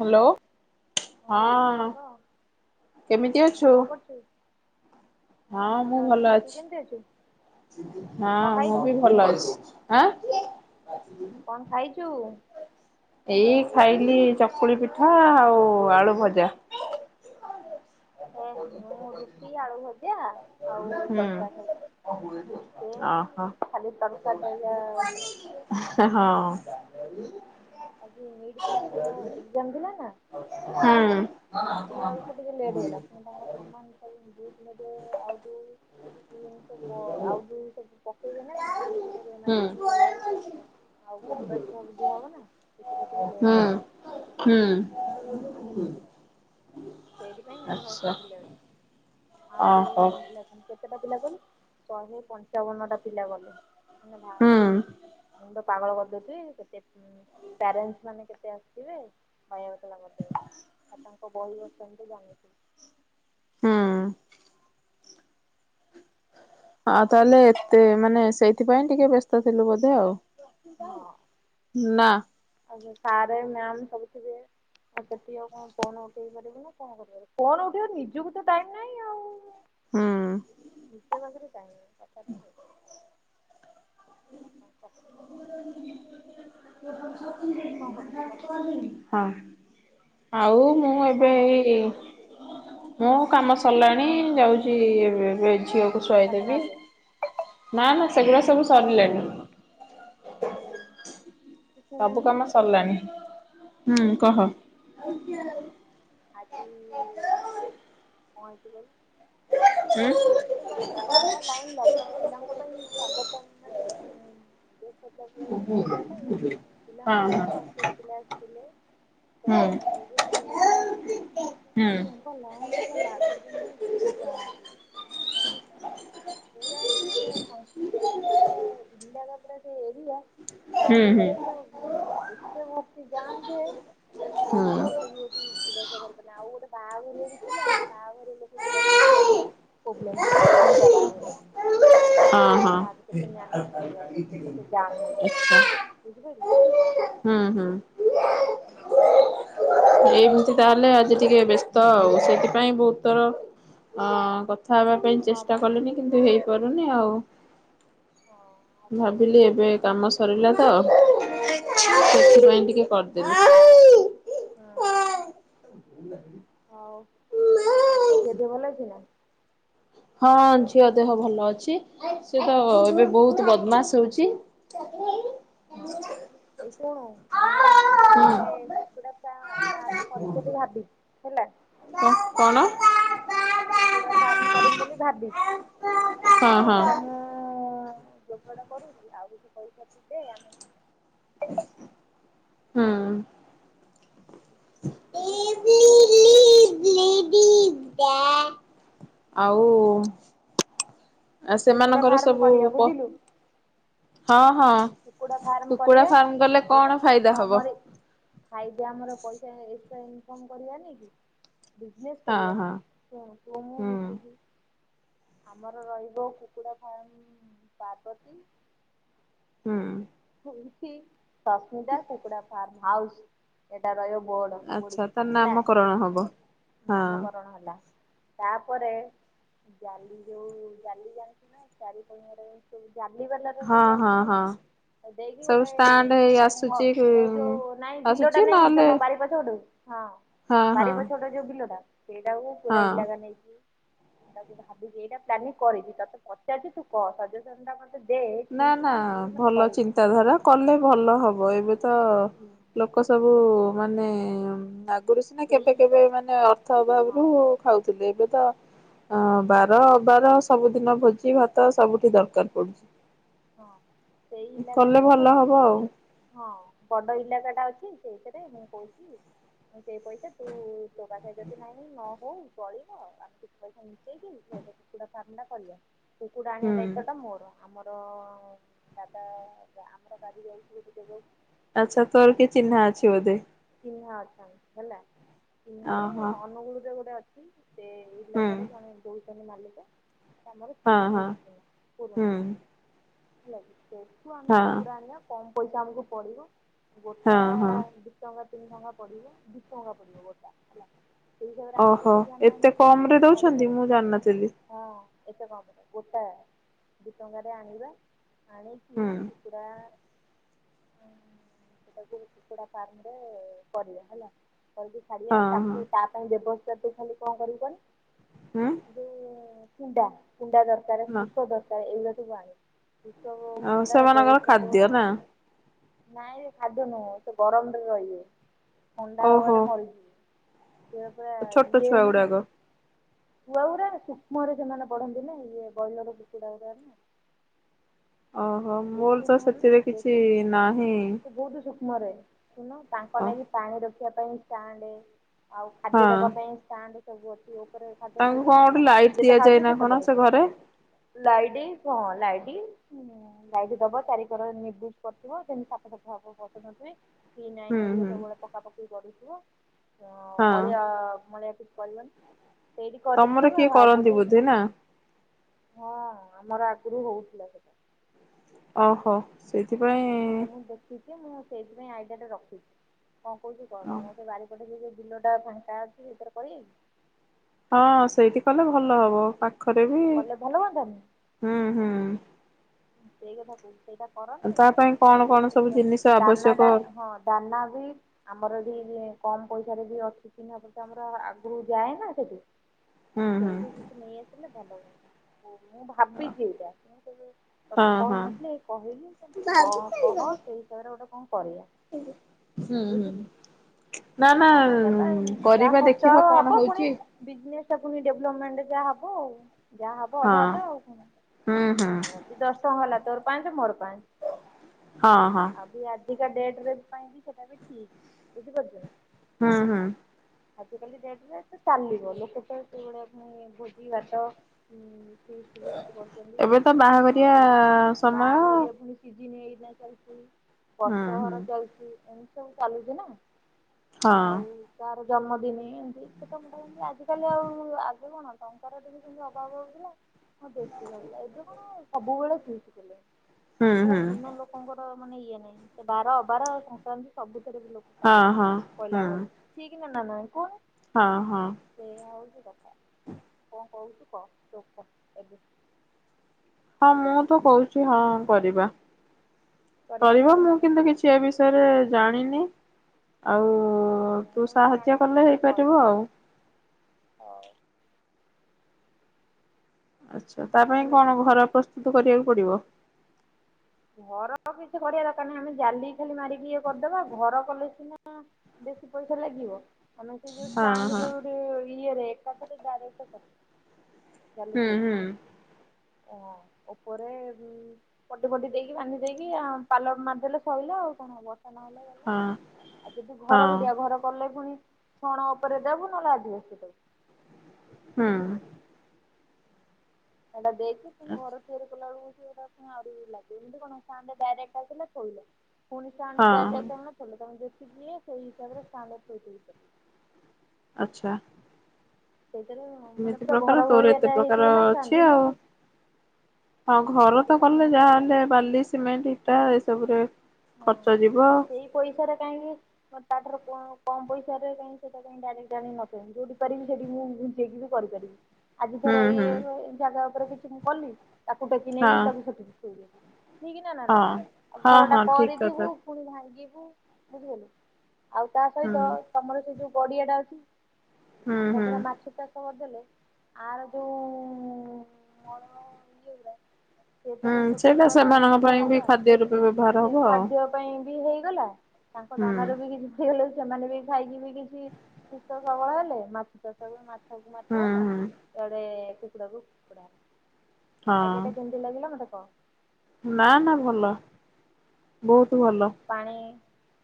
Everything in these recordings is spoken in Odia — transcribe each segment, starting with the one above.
ହ୍ୟାଲୋ ହଁ କେମିତି ଅଛୁ? କଣ କରୁଛୁ? ହଁ ମୁଁ ଭଲ ଅଛି ହଁ କଣ ମୁଁ ଖାଇଛୁ? ବି ଭଲ ଅଛି। ଆଁ କଣ ଖାଇଛୁ? ଏଇ ଖାଇଲି ଚକୁଳି ପିଠା ଆଉ ଆଳୁ ଭଜା। ଏ ମୁଁ ରୁଟି ଆଳୁ ଭଜା ଆଉ ତଡକା ଖାଇଲି। ଓ ତଡକା ଟା ଯାହା ଗୋଟେ ହୋ ହଁ ଆଜି ନୀଟ ପିଲାଙ୍କର ଏଗଜାମ ଥିଲା ନା। ସେ ହୁଁ ଆସିଲା ବେଳକୁ ଟିକେ ଲେଟ୍ ହେଇଲା ପୁଣି ତାଙ୍କ ସାମାନ ସବୁ ଦେଇକି। ଏବେ ଆଉଟ ସିଏ ଆଉଟ ସବୁ ପକେଇବେ ନା ସିଗ୍ନେଚର ହୁଁ। ମାରିକି ଗଲା ବେଳକୁ ଆଉ ଗେଟ୍ ପାସ ସବୁ ଦିଆ ହବ ନା ସେଥିରେ ଟିକେ ହୁଁ ଲେଟ ହେଇଗଲା ହଁ। ହଁ ସେଇଥି ପାଇଁ ଆମର ସବୁ ଲେଟ ଅହୁରି ଓହୋ ସେମିତି ପିଲା ଅଛନ୍ତି। କେତେଟା ପିଲା କହିଲୁ ଶହେ ପଞ୍ଚାବନଟା ପିଲା ଗଲେ। ଏ ଭାଇ ହୁଁ ମୁଣ୍ଡ ପାଗଳ କରିଦଉଥିବେ କେତେ ପ୍ୟାରେଣ୍ଟସ୍ ମାନେ କେତେ ଆସୁଥିବେ ଖାଇଯାଉଥିବେ ମତେ। ଆଉ ତାଙ୍କ ବହି ବସ୍ତାନୀ ତ ଜାଣିଥିବୁ। ହୁଁ ହଁ ତାହେଲେ ଏତେ ମାନେ ସେଇଥିପାଇଁ ଟିକେ ବ୍ୟସ୍ତ ଥିଲୁ ବୋଧେ ଆଉ। ହଁ ନା ଆଉ ସାରେ ମ୍ୟାମ ସବୁଥିବେ। ଆଉ ସେଠି ଆଉ କଣ ଫୋନ୍ ଉଠେଇ ପାରିବୁ ନା କଣ କରିପାରିବୁ ଫୋନ୍ ଉଠେଇବ ନିଜକୁ ତ ଟାଇମ ନାଇଁ ଆଉ। ହୁଁ ନିଜ ପାଖରେ ଟାଇମ୍ ନାହିଁ। କଥାଟା ସେଇଆ [inaudible] କଣ କରୁଛୁ କହ ହଁ ଆଉ ମୁଁ ମୁଁ କଣ ଏବେ କରୁଥିଲୁ ଏଇ ମୁଁ କାମ ସରିଲାଣି ଯାଉଛି ଏବେ ଏବେ ଝିଅକୁ ବାସନ ସୁଆଇଦେବି ମାଜିବୁ ନା ନା ସେଗୁଡା ସବୁ ସରିଲାଣି। ଆଜ୍ଞା। ସବୁ କାମ ସରିଲାଣି ହୁଁ ହଁ କହ? ଆଜି କଣ ହେଇଛି କହିଲୁ? ଏତେ ହୁଁ ଗାଡି ଏତେ ଗାଡି ଲମ୍ବା ଲାଇନ ଲାଗିଛି ପିଲାଙ୍କ ପାଇଁ ସ୍ଵାଗତଂ ମାନେ ଗେଷ୍ଟ ଟାକୁ ଉଇସ କରିବା ପାଇଁ ହଁ ପିଲାଙ୍କୁ ଫାଷ୍ଟ ଛୋଟ ପିଲା ଆସିଥିଲେ ହଁ ସେମାନେ ତାଙ୍କକୁ [inaudible] ପିଲା ହୁଁ। ପୁରା ଲାଗିନ ପୁରା ଲାଗିଛନ୍ତି କି କାରବାବାରେ ବାବା ପୁରା ପୁରା ଇଣ୍ଡିଆ କ ପ [inaudible] ସେ ଏରିଆ ହୁଁ ହୁଁ ହୁଁ ଗାଡିରେପୁରା ଉଁ ଏକେ ଭର୍ତି ଯାମ୍ ଯେ ହୁଁ ବାହହାର ଲୋକବି ହେଠି ଯିବାଆସିବା କରିପାରିଲେନି ଆଉ ଗୋଟେ ବାହାଘରିଆ ବି ଥିଲା ବାହାଘର ଲୋକ ଯିବାସ କରିବାକୁବି ପ୍ରୋବ୍ଲେମ ହେଲା ଦିଇଟା ବାହାଘରିଆ ଫୁଣି। ହଁ [unintelligible] ଛ [inaudible] କରିବାକୁ ପଡୁଥିବ କେତେ ଜାମ୍ ହଉଥିବ ବୁଝିପାରିଲୁ। ହୁଁ ହୁଁ। ଏଇଆ ହଉଛି ଏଇମିତି କଥା ତାହେଲେ ଆଜି ଟିକେ ବ୍ୟସ୍ତ ଆଉ ସେଥିପାଇଁ ବହୁତ ଥର ଅ କଥା ହେବା ପାଇଁ ହଁ ଚେଷ୍ଟା ପା କଲିଣିି କିନ୍ତୁ ହେଇପାରୁନି ଆଉ ହଁ ଆଉ କଣ ଭାବିଲି କରିବା ଏବେ କାମ ସରିଲା ତ ହୁଁ ସେଥିପାଇଁ ଟିକେ କରିଦେଲି। ହଁ। ଭି [inaudible] ହଉ ଝିଅ ଦେହ ଭଲଅଛି ନା? ହଁ ଝିଅ ଦେହ ଭଲ ଅଛି ସେ ତ ଏବେ ବହୁତ ବଦମାସ ହଉଚି। ହଁ। ସତ [inaudible] ଏଇ ଶୁଣୁ ମୁଁ ହଉଚି ଗୋଟେ କୁକୁଡା ଫା ଫାର୍ମ କରିମି ବୋଲି ଭାବିଛି ହେଲା। କଣ? କୁକୁଡ଼ା ଫାର୍ମ କରିମି ବୋଲି ଭାବିଛି କିଛି ହଁ ହଁ ପଇସା ମୁଁ ଯୋଗାଡ଼ କରୁଛି ଆଉ କିଛି ପଇସା ତୁ ଦେ ଆମେ ହୁଁ। ହୁଁ। ବୁଝିଲୁ? ହୁ [inaudible] ଆଉ। ଆ କୁକୁଡା ସେମାନଙ୍କର ଫାର୍ମ ସବୁ କରିବା ପ ବୁଝିଲୁ ହଁ ହଁ କୁକୁଡା ଫାର୍ମ କୁକୁଡା କରିବା। ଫାର୍ମ କଲେ କଣ ଫାଇଦା ହବ? ଫାଇଦା ଆମର ପଇସା ଏକଷ୍ଟ୍ରା ଇନକମ କରିବାନେଇ କି? ବିଜିନେସ୍ ହଁ କରିବା ହଁ ଶୁଣୁ ତୁ ମୁଁ ହୁଁ ମିସିକି। ଆମର ରହିବ କୁକୁଡ଼ା ଫାର୍ମ ପାର୍ବତୀ ହୁଁ। ସସ୍ମିତା କୁକୁଡା ଫାର୍ମ ହାଉସ ଏଇଟା ରହିବ ବୋର୍ଡ। ଆଚ୍ଛା ତା ବୋଡିଙ୍ଗ ହେଲା ନାମକରଣ ହବ ହଁ ନାମକରଣ ହେଲା। ତାପରେ ଜାଲି ଯଉ ଜାଲି ଜାଣିଚୁ ନା ଚାରିକଣିଆରେ ସବୁ ଜାଲିିବାଲା ର ହଁ ସବୁ ହଁ ଆସୁନି ନା ହଁ। ଦେଇକି ସବୁ ଗୋଟେ ଷ୍ଟାଣ୍ଡ ହେଇ ତମୁ ହ ଆସୁଛି ଯୋଉ ନାଇଁ ଆସୁଛି ବିଲଟା ନାଇଁ ତମ ନହେଲେ ବା ବାରି ପଛପତଟକୁ ହଁ ହଁ ହଁ ବାରି ପଛପଟେ ଯୋଉ ବିଲଟା ସେଇଟା କୁ ପୁରା ହଁ ଇଲାକା ନେଇଚି ତାକୁ ଭାବିକି ଏଇଟା ପ୍ଲାନିଂ କରିଛି, ତତେ ପଚାରୁଛି ତୁ କହ ସଜେସନ ଟା ଖାଲି ଦେ ଠିକ୍ କି ଭୁଲ ମତେ କହିବୁ। ତାଘର କଲେ ଭଲ ହବ ଏବେ ତ ଲୋକ ସବୁ ମାନେ ଆଗରୁ ସିନା ସେଇ କେବେ କେବେ ମାନେ ଅର୍ଥ ହଁ ଅଭାବରୁ ଖାଉଥିଲେ ଏବେ ତ ହଁ ବାର ଅବାର ସବୁଦିନ ଭୋଜି ଭାତ ସବୁଠି ଦରକାର ପଡୁଛି। ହଁ ସେଇ କଲେ ଇଲାକାଟାରେ ମୁଁ ଭଲ ହବ ଆଉ ଭାବିଛି ହଁ ବଡ ଇଲାକା ଟା ଅଛି ସେଇଥିରେ ମୁଁ କହୁଛି ସେଇ ପଇସା ତୁ ତୋ ପାଖରେ ଯଦି ନାହିଁ ନ ହଉ ଚଳିବ ଆମେ କିଛି ପଇସା ସେଇଟି କୁକୁଡା ଫାର୍ମ ଟା କରିବା କୁକୁଡା ଆଣିବା ହୁଁ ଦାୟିତ୍ୱ ଟା ମୋର ଆମର ତ ଦାଦା ଆମର ଗାଡ଼ି ଯାଉଛି ଗୋଟେ ଜାଣିଛି। ଆଚ୍ଛା ତୋର କିଏ ଚିହ୍ନା ଅଛି ବୋଧେ। ଚିହ୍ନା ଅଛନ୍ତି ହେଲା ଚିହ୍ନାରୁ ଓହୋ। ଅନୁଗୁଳରେ ଗୋଟେ ଅଛି। ସେ ହୁଁ ଇଲାକାରେ ଜଣେ ଦଉଛନ୍ତି ମାଲିକ ସେ ଆମର ହଁ ଚିହ୍ନା ହଁ ବହୁତ ଚିହ୍ନା ହୁଁ ପୁରୁଣା। ହେଲା ସେଠୁ ଆମେ ହଁ କୁକୁଡ଼ା ଆଣିବା କମ ପଇସା ଆମକୁ ପଡ଼ିବ ହଁ ଗୋଟା ହଁ ଦି ଟଙ୍କା ତିନି ଟଙ୍କା ପଡିବ ଦିଇ ଟଙ୍କା ପଡିବ ଗୋଟା ହେଲା। ସେଇ ହିସାବରେ ଆଣିକି ଓହୋ ଯଦି ଆମେ ଏତେ ଆଣିକି କମ କିଛିଟା ରେ ଦଉଛନ୍ତି ଛାଡ଼ିଦେବା ମୁଁ ଜାଣିନଥିଲି। ହଁ ଏତେ କମରେ ଗୋଟା ଦି ଟଙ୍କାରେ ଆଣିବା ଆଣିକି ହୁଁ ପୁରା ସେଇଟାକୁ କୁକୁଡ଼ା ଫାର୍ମରେ କରିବା ହେଲା କରିକି ହଁ ଛାଡିବା ହଁ ତାକୁ ତା ପାଇଁ ବ୍ୟବସ୍ଥା ତୁ ଖାଲି କଣ କରିବୁ କହନି ଉଁ। କୁଣ୍ଡା କୁଣ୍ଡା ଦରକାର ହଁ ତୁଷ ଦରକାର ଏଇଗୁଡା ସବୁ ଆଣିବୁ। ତୁସ ଆଉ କୁଣ୍ଡା ସେମାନଙ୍କର ବେବସ୍ତା ଖାଦ୍ୟ ତୋର। ନା ନାଇଁ ରେ ଖାଦ୍ୟ ନୁହଁ ସେ ଗରମରେ ରହିବେ ଥଣ୍ଡା ଓହୋ ହାବାରେ ମରିଯିବେ। ସିଏ ପୁରା ଛୋଟ ଇଏ ଛୁଆ ଗୁଡାକ ନା। ଛୁଆଗୁରାନା ସୂକ୍ଷ୍ମରେ ସେମାନେ ବଢନ୍ତି ନା ଇଏ ବୈଲର କୁକୁଡା ଗୁଡ଼ା ନା ଓହୋ। ମୋର ଦେଶୀ ତ ନୁହଁ ନା ସେଥିରେ କିଛି ଦେଶୀ ନୁହଁ ନାହିଁ ସେ ବହୁତ ସୁଖ ସକ୍ଷ୍ମରେ ତାଙ୍କ ଓ ନାଗି ପାଣି ରଖିବା ପାଇଁ ଷ୍ଟାଣ୍ଡ ଆଉ ହଁ ଖାଦ୍ୟ ଦବା ପାଇଁ ଷ୍ଟାଣ୍ଡ ସବୁ ଅଛି ଉପରେ ଖାଦ୍ୟ ତାଙ୍କୁ କଣ ଗୋଟେ ଢାଳିଦବୁ ଲାଇଟ୍ ଯେତେ ଦିଆଯାଏ ଖାଉଥିବେ ନା ସେତେ କଣ ସେ ବଢୁଥିବେ। ଘରେ ଲାଇତି ହଁ ଲାଇଡି। ଲାଇଡି ଦବ ଚାରିଖର ନିବୁଜ କରିୁଥିବ ସେମିତି ସାତସଠ ଭାବକୁ ପସନ୍ଦଥେ। ଫିନା ହୁଁ ନାଇନ୍ ଘରିକା ହୁଁ ସବୁବେଳେ ପକାପକି କରୁଥିବ ହଁ ଅଳିଆ ମାନେ କିଛି କରିବନି। ସେଇଠ କରି ତମର ଦବା କିଏ କରନ୍ତି ଭାବୁଚି। ବୋଧେ ନା ହଁ ଆମର ଆଗରୁ ହଉଥିଲା ସେଟା। ଓହୋ। ସେଇଥିପାଇଁ ସେଇଟା ମୁଁ ଦେଖିଛି ମୁଁ ସେଇଥିପାଇଁ ଆଇଡିଆ ଟା ରଖିଛି କଣ କହୁଛିୁ କହ ହଁ ତମ ସେ ବାଡି ପଟେ ଯୋଉ ବିଲ ଟା ଫାଙ୍କା ଅଛି ସେଇଥିରେ କରିବା କି? ହଁ ସେଇଠି କଲେ ଭଲ ହବ ପାଖରେ ବି କଲେ ଭଲ ହୁଅନ୍ତାନି ହୁଁ ହୁଁ। ସେଇ କଥା କହୁଛି ସେଇଟା କରନ୍ତେ ତା ପାଇଁ କଣ ଆଉ ସେ କଣ ସବୁ କୁକୁଡା ଜିନିଷ ଦାନା ଆବଶ୍ୟକ ଟା ହଁ ଦାନା ବି ଆମର ଏଠି କମ ପଇସାରେ ବି ଅଛି। ଚିହ୍ନା ପରିଚ ଆମର ଆଗରୁ ଯାଏ ନା ସେଠି। ହୁଁ ହୁଁ। ସେଇଠୁ କିଛି ନେଇ ଆସିଲେ ଭଲ ହୁଅନ୍ତା ମୁଁ ଭାବିଛି ଏଇଟା ମୁ ତତେ ହଁ ହଁ କହିନଥିଲେ ଏ କହିଲି କିନ୍ତୁ କଣ କହ ସେଇ ହିସାବରେ ଗୋଟେ କଣ କରିବା। ହୁଁ ହୁଁ। ବୁଝିଲୁ। ନା ନା ଦାନା ଦେବା ଯାହା କରିବା ଖର୍ଚ୍ଚ ଦେଖିବା ହବ କଣ ପୁଣି ହଉଚି। ବିଜନେସ୍ ଟା ପୁଣି ଡେଭଲପମେଣ୍ଟ ଯାହା ହବ ଆଉ। ଯାହା ହବ ହଁ ଅଧା ଅଧା ଆଉ ହୁଁ ହୁଁ। କଣ ଯଦି ଦଶ ଟଙ୍କା ହେଲା ତୋର ପାଞ୍ଚେ ମୋର ପାଞ୍ଚ। ହଁ ହଁ। ଆଉ ଆଜିକା ଡ଼େଟ୍ ରେ ପାଇଁ ବି ସେଟା ବି ଠିକ୍। ବୁଝି ପାରୁଚୁ ନା? ହୁଁ ହୁଁ। [inaudible] ଏବେ [inaudible] ତ ବାହା ଘରିଆ ସମୟ। ସିଜିିନ୍ ଏଇନା ଚାଲ୍ଚି, ହୁଁ ପର୍ତ ଘର ହୁଁ ଚାଲ୍ଚି, ଏମିତି ସବୁ ଚାଲିଚି ନା। ହଁ। ଆଉ। କାହାର ଜନ୍ମ ଦିନି ଇନ୍ତି, ଛୁଟ ମୁଟ ଆଜି କାଲି ଆଉ। [inaudible] ହଁ ବେଶି ରିଲା, ଏବେ କ'ଣ ସବୁବଳେ ଫିଷ୍ଟି କଲେ। ହୁଁ କଉ ହୁଁ ଦିନ ଲୋକଙ୍କର ମାନେ ଇଏ ନାଇଁ, ସେ ବାର ଅବାର ସଂକ୍ରାନ୍ତି ସବୁ ରେ ବି [inaudible] ହଁ ହଁ ହୁଁ ହଁ! ସେଇୟା ହଉଚି କଥା, ଙ୍କ କହୁଚୁ କ? ହଁ, ମୁଁ ତ କଉଚି ହଁ କରିବା। କରିବା ତ କରିବ ଆଉ। ମୁଁ କିନ୍ତୁ କିଛି ବିଷୟରେ ଜାଣିନି ଆଉ। ତୁ ମୁଁ ଏଇ ସାହାଯ୍ୟ ଜାଣିଛି କଲେ, ତତେ କହିଲି ହେଇପାରିବ ଆଉ। [inaudible] ଆଚ୍ଛା, ତା ପାଇଁ ହେଲା କି। କ'ଣ ଘର ପ୍ରସ୍ତୁତୁ କରିବାକୁ ପଡ଼ିବ। ଘର କିଛି କରିବା ଦର୍କାର୍ ନାହିଁ, ଆମେ ଜାଲି ଖାଲି ମାରିକି ଇଏ କର୍ ଦେବା। ଘର କଲେ ସିନା ବେଶୀ ପଇସା ଲାଗିବ, ଆମେ ସେ ଯଉ ହଁ ଷ୍ଟାଣ୍ଡେ ହଁ ଯଉ [inaudible] ହୁଁ ହୁଁ। [inaudible] ଦେଇକି ବାନ୍ଧି ଦେଇକି, ଆଁ ପାଲ ମାର୍ ଦେଲେ ସଇଲା। ଆଉ କ'ଣ ବର୍ଷା ନହେଲେ ହଁ ଆଉ ଯଦି ହଁ ଘର କରିଆ, ଘର କଲେ ଫୁଣି ଛଣ ଓପରେ ଦେବୁ, ନହେଲେ ଆଜବେଷ୍ଟେ ଦେବୁ। ହୁଁ। ଇଟା ଦେଇକି, ଣି ଘର ତିଆରି କଲା ଳକୁ ଆଉରି ଲାଗିବ, ଇନ୍ତି କ'ଣ ଷ୍ଟାଣ୍ଡେ ଡାଇରେକ୍ଟ ଆସିଲା ଥୋଇଲ। ଫୁଣି ଷ୍ଟାଣ୍ଡେ ହଁ ଡାଇରେକ୍ଟ [inaudible] ଆଚ୍ଛା। ସେଇଥିରେ ମାନେ ମିତି ପୁରା ପ୍ରକାର, ଘର ତୋର ଏତେ ଭଳିଆଟା ପ୍ରକାର ହେଇଥିବ ନା ଅଛି ଷ୍ଟାଣ୍ଡରେ ଆଉ। ହଁ ଘର ତ ଆଇଡ଼ିଆଟା କଲେ, ମୋର ଯାହା ହେଲେ ବାଲି, ସିମେଣ୍ଟ, ଇଟା ଏ ସବୁରେ କର୍ଚ୍ଚ ଯିବ। ପଇସା ରେ କାହିଁକି? [inaudible] କରି ପାରିବି। ଆଜି ହୁଁ ଧର ହୁଁ ଇଏ ଜାଗା ଉପରେ କିଛି ମୁଁ କଲି, ତାକୁ ଟେକି ହଁ ନେ-କି ତାକୁ ସେଠିକି ଇ ଦେ। ହଁ। ହଁ ହଁ [inaudible] ଠିକ କଥା ଫୁଣି ଭାଙ୍ଗିବୁ, ବୁଝି---ଲୁ, ଆଉ ତା ହୁଁ ସହିତ ତମର ସେଇ ଯଉ ଗଡ଼ିଆ ଟା ଅଛି। ହୁଁ ତା ହୁଁ। ରେ ମାଛ ଚା ପର୍ ଦେଲେ ଆର ଯଉ ମଳ ଇଏ ଗୁ। ହୁଁ ସେଇଟା ସେମାନଙ୍କ ପାଇଁ [inaudible] [unintelligible] ଖାଦ୍ୟ ପାଇଁ ବି ହେଇଗଲା। ତାଙ୍କ ହୁଁ ଦାନା ରୁ ବି କିଛି ହେଇ ଲେବି ସେମାନେ ବି ଖାଇକି ବି କିଛି ସୁସ୍ଥ ସବଳ ହେଲେ। ମାଛ ଚାଷ କୁ ମାଛ କୁ ମାଛ ହୁଁ ହେଲା, ହୁଁ। ଇଆଡ଼େ କୁକୁଡ଼ା କୁ ହଁ କୁକୁଡ଼ା ଲାଗିଲା ମତେ କ। ନା ନା ଭଲ, ବହୁତୁ ଭଲ। ପାଣି,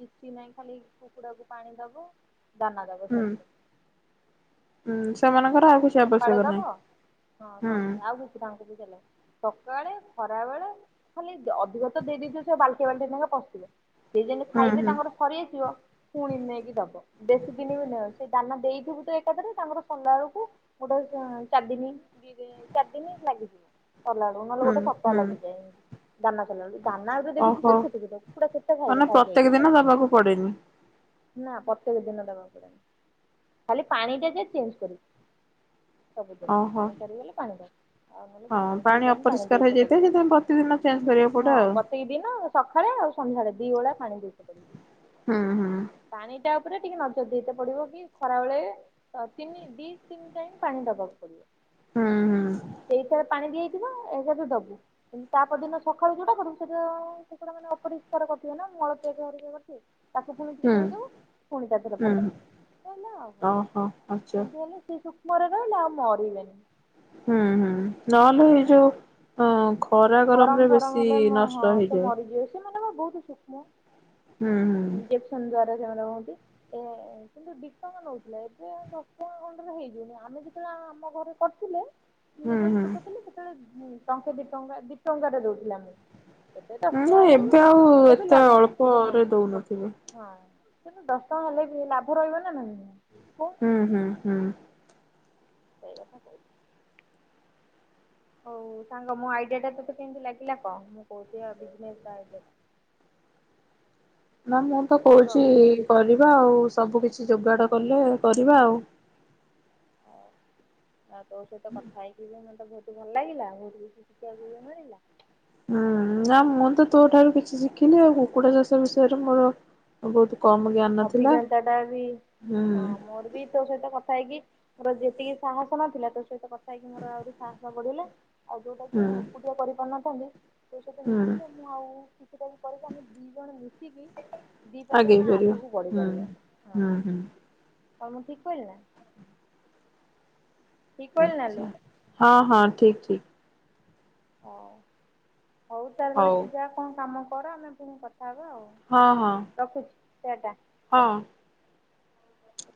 କିଛି ନାହିଁ ଖାଲି କୁକୁଡ଼ା କୁ ପାଣି ଦବୁ ଦାନା ଦବୁ। ହୁଁ ସରି ହୁଁ ସେମାନଙ୍କର ଆଉ କିଛି ସକାଳେ ଆବଶ୍ୟକ ଦବ ହଁ ନାହିଁ ହୁଁ। ସକାଳେ ଆଉ କିଛି ତାଙ୍କୁ ବି ଦେଲେ। ସକାଳେ ଖରା ବେଳେ ଖାଲି ଅଧିକ ତ ଦେଇ ଦେଇଛନ୍ତି ସେ ବାଲଟିଏ ବାଲଟିଏ ନେଖା ପଶିଲେ। ସିଏ ଯେମି ହୁଁ ଖାଇବେ ହୁଁ ତମର ସରିଆସିବ ପୁଣି ନେଇକି ଦବ ବଶୀ ଦିନ ବି ନୁହଁ ସେ ଦାନା ଦେଇଥିବୁ ତ ଏକାଥରେ ତାଙ୍କର କଲା ବେଳକୁ ଗୋଟେ ଚାରି ଦିନ ଦି ଦି ଚାରି ଦିନ ଲାଗିଯିବ କଲା ନହେଲେ ହୁଁ ଗୋଟେ ସପ୍ତାହ ହୁଁ ଲାଗିଯାଏ ଏମିତି। ଦାନା ଖେୁ ଦାନନାବେ ଦେଖିଛ ଓହୋ ତ ଛୁଟଛଟ ପୁରା ସେଛଟା ମାନେ ଖାଇବେ ଖାଇ ପ୍ରତ୍ୟେକ ଖାଇକା ଦିନ ଦବାକୁ ପଡେନି [unintelligible] ନା ପ୍ରତ୍ୟେକ ଦିନ ଦେବାକୁ ପଡେ ଖାଲି ପାଣି ଟା ଯେ ଚେ ସବୁଦିନ ଓହୋ ପାଣି ସରିଗଲେ ପାଣି ଦବୁ। ଆଉ ନହେଲେ କିଛି ହଁ ନାହିଁ ଦି ଟାଇମ୍ ପାଣି ଅପରିଷ୍କାର ଦେଇତେ ହେଇଯାଇଥାଏ ସେଥିପାଇଁ ପ୍ରତିଦିନ ଚେଞ୍ଜ ପଡିବ କରିବାକୁ ପଡେ ହଁ ଆଉ ପ୍ରତେକ ଦିନ ସକାଳେ ଆଉ ସନ୍ଧ୍ୟାଳେ ଦି ଓଳା ପାଣି ଦେଇତେ ପଡ଼ିବ। ହୁଁ ହୁଁ। ପାଣି ଟା ଉପରେ ଟିକେ ନଜର ଦେଇ ତେ ପଡିବ କି ଖରା ବେଳେ ତିନି ଦି ତିନି ଟାଇମ୍ ପାଣି ଦବାକୁ ପଡିବ। ହୁଁ ହୁଁ। ସେଇଥେରେ ପାଣି ଦିଆହେଇଥିବ ଏଥିରେ ତୁ ଦବୁ ତା ପରଦିନ ସକାଳୁ ଯୋଉଟା କରୁ ସେଟା କୁକୁଡ଼ା ମାନେ ଅପରିଷ୍କାର କରିଥିବେ ନା ମଳତ୍ୟାଗ ହେରିକା କରିଥିବେ। ତାକୁ ପୁଣି ଟିକେ ହୁଁ ଧୋଇଦବୁ ପୁଣି ତା ଦେହରେ ଭଲ ପାଣି ଦବୁ ସରିଲା ଆଉ କ'ଣ? ହଁ ଅ ସେମିତି ହେଲେ ସିଏ ସୁକ୍ଷ୍ମରେ ରହିଲେ ଆଉ ମରିବେନି। ହୁଁ ହୁଁ ନହଲେ ଏଇ ହୁଁ। ଯୋଉ ହଁ ଖରା ଗରମ ରେ ଫରମ ବେଶୀ ହେଲେ ମ ହଁ ନଷ୍ଟ ସେ ହେଇଯାଏ। ମରିଯିବେ ସେମାନେ ପା ବହୁତ ସୂକ୍ଷ୍ମ ହୁଁ ହୁଁ ଇଁଜେକସନ୍ ଦ୍ଵାରା ସେମାନେ ହୁଅନ୍ତି ସେ କିନ୍ତୁ ଦି ଟଙ୍କା ନଉଥିଲେ ଏବେ ଦଶ ଟଙ୍କା ଖଣ୍ଡରେ ହେଇଯିବଣି ଆମେ ଯେତେବେଳେ ଆ ଆମ ଘରେ କରୁଥିଲେ ମୁଁ ହୁଁ ଯେତେବେଳେ ହୁଁ ଛୋଟ ଥିଲି ସେତେବେଳେ ଟଙ୍କେ ଦି ଟଙ୍କା ଦି ଟଙ୍କାରେ ଦଉଥିଲେ ଆମକୁ। ଏବେ ଦଶ ଟଙ୍କା ନା ହେଇଯିବ ଏବେ ଦଶ ଆଉ ଟଙ୍କା ହେଲେ ବି ଏତେ ଲାଭ ହଁ। ଅଳ୍ପରେ ଦଉନଥିବେ। ହଁ କିନ୍ତୁ ଦଶ ଟଙ୍କା ହେଲେ ବି ଲାଭ ରହିବ ନାହିଁ କ ହୁଁ ହୁଁ ହୁଁ। ସେଇ କଥା କହୁଚି। ହଉ ସାଙ୍ଗ ମୋ ଆଇଡିଆ ଟା ତତେ କେନ୍ତେ ଲାଗିଲା କହ ମୁଁ କହୁଛିି ବିଜିନେସ୍ ଆଇଡିଆ ଟା। ନା ମୁଁ ତ ସାଙ୍ଗ। କହୁଛି କରିବା ଆଉ ସବୁ କିଛି ଯୋଗାଡ କଲେ କରିବା ଆଉ। ଆଉ ତୋ ସହିତ କଥା ହେଇକି ବି ମତେ ବହୁତ ଭଲ ଲାଗିଲା ବହୁତ କିଛି ଶିଖିବାକୁ ବି ମିଳିଲା। ହୁଁ ନା ମୁଁ ତ ତୋ ଠାରୁ କିଛି ଶିଖିଲି ଆଉ କୁକୁଡ଼ା ଚାଷ ବିଷୟରେ ମୋର ବହୁତ କମ୍ ଅଭିଜ୍ଞତା ଟା ବି ହଁ ମୋର ବି ତୋ ସହିତ କଥା ହେଇକି ମୋର ଯେତିକି ସାହସ ନଥିଲା ତୋ ସହିତ କଥା ହେଇକି ମୋର ଆହୁରି ସାହସ ବଢିଲା। ଆଉ ଯୋଉଟା କି ହୁଁ ମୁଁ ଏକୁଟିଆ କରିପାରିନଥାନ୍ତି ତୋ ସହିତ ହୁଁ ମିଶିଲେ ମୁଁ ଆଉ କିଛିଟାଇ କରିକି ଆମେ ଦି ଜଣ ମିଶିକି ଦି ପାଦେ ଆଗେଇ ଆମେ ଆ ପାରିବା ଆଗକୁ ହୁଁ। ବଢିପାରିବା ହଁ ହୁଁ ହୁଁ କଣ ମୁଁ ଠିକ୍ କହିଲେ ନା। ଠିକ କହିଲି ନା ଆଛା ଲୋ ହଁ ହଁ ଠିକ୍ ଠିକ୍। ହଉ ହଉ ତା ହେଲେ ହଉ ତୁ ଯା କ'ଣ କାମ କର ଆମେ ପୁଣି କଥା ହବା ଆଉ। ହଁ ହଁ ରଖୁଛି ଟା ଟା ହଁ।